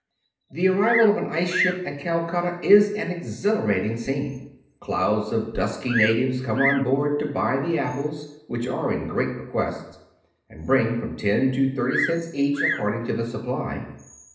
The arrival of an ice ship at Calcutta is an exhilarating scene. Clouds of dusky natives come on board to buy the apples, which are in great request, and bring from ten to thirty cents each, according to the supply.